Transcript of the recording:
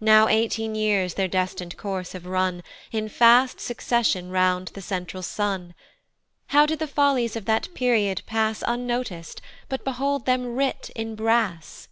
Now eighteen years their destin'd course have run, In fast succession round the central sun. How did the follies of that period pass Unnotic'd, but behold them writ in brass!